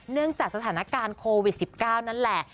จากสถานการณ์โควิด๑๙นั่นแหละ